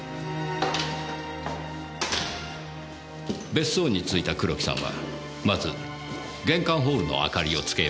別荘に着いた黒木さんはまず玄関ホールの明かりを点けようとしました。